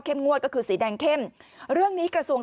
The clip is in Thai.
งวดก็คือสีแดงเข้มเรื่องนี้กระทรวง